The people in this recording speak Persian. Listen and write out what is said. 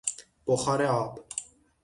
بخار آب